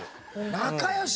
仲良し。